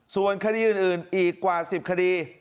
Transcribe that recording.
ส่วนคดีอื่นอีกกว่า๑๐คดี